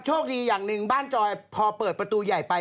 โชคดีอย่างหนึ่งบ้านจอยพอเปิดประตูใหญ่ไป